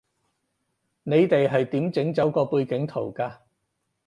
你哋係點整走個背景圖㗎